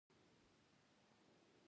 د جلغوزیو قاچاق بند شوی؟